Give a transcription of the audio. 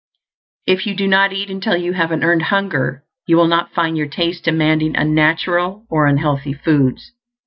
If you do not eat until you have an EARNED hunger, you will not find your taste demanding unnatural or unhealthy foods.